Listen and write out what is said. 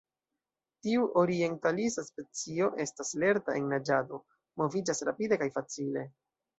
Tiu orientalisa specio estas lerta en naĝado, moviĝas rapide kaj facile.